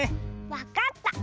わかった！